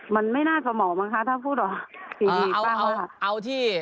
มันไม่น่าสมองมั้งคะถ้าพูดออก